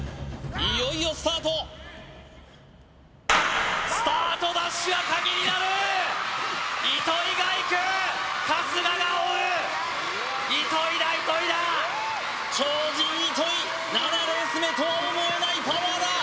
いよいよスタートスタートダッシュが鍵になる糸井がいく春日が追う糸井だ糸井だ超人・糸井７レース目とは思えないパワーだ